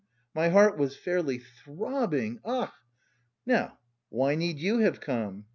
My heart was fairly throbbing. Ach! "Now, why need you have come?